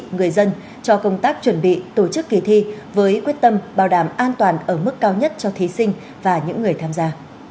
người dân cho công tác chuẩn bị tổ chức kỳ thi với quyết tâm bảo đảm an toàn ở mức cao nhất cho thí sinh và những người tham gia